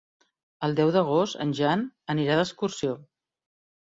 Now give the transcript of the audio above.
El deu d'agost en Jan anirà d'excursió.